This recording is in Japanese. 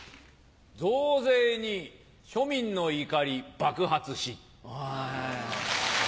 増税に庶民の怒り爆発し。